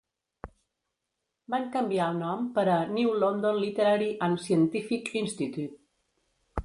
Van canviar el nom per a "New London Literary and Scientific Institute".